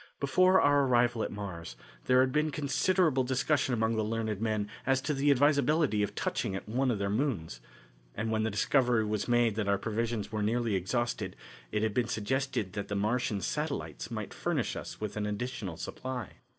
Before our arrival at Mars, there had been considerable discussion among the learned men as to the advisability of touching at one of their moons, and when the discovery was made that our provisions were nearly exhausted, it had been suggested that the Martian satellites might furnish us with an additional supply.